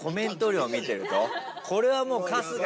これはもう。